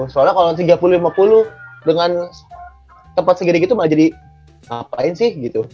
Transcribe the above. soalnya kalau tiga puluh lima puluh dengan tempat segini gitu malah jadi ngapain sih gitu